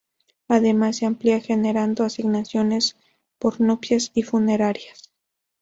Además se amplia agregando asignaciones por nupcias y funerarias.